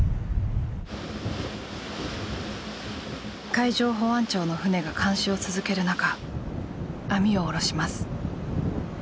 海上保安庁の船が監視を続ける中網を下ろします。